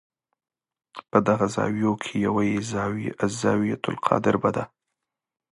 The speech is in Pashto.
په دغو زاویو کې یوه یې الزاویة القادربه ده.